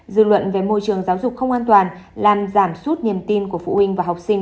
dư luận về môi trường giáo dục không an toàn làm giảm suốt niềm tin của phụ huynh và học sinh